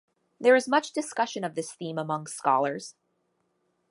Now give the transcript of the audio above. There is much discussion of this theme among scholars.